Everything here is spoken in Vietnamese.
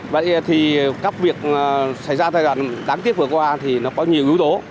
vậy thì các việc xảy ra thời gian đáng tiếc vừa qua thì nó có nhiều yếu tố